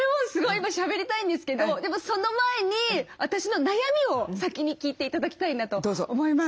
今しゃべりたいんですけどでもその前に私の悩みを先に聞いて頂きたいなと思います。